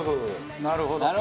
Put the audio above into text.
なるほど。